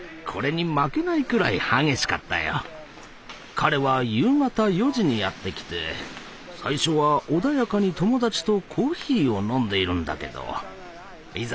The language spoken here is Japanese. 彼は夕方４時にやって来て最初は穏やかに友達とコーヒーを飲んでいるんだけどいざ